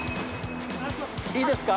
いいですか？